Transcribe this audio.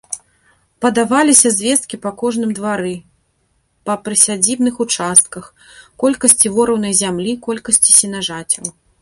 Падаваліся звесткі па кожным двары, па прысядзібных участках, колькасці ворыўнай зямлі, колькасці сенажацяў.